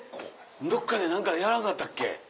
どっかで何かやらんかったっけ？